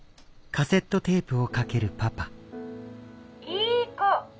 「いい子！